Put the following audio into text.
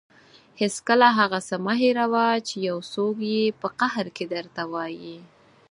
هېڅکله هغه څه مه هېروه چې یو څوک یې په قهر کې درته وايي.